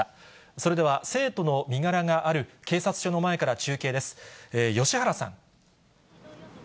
それでは、生徒の身柄がある警察署の前から中継です。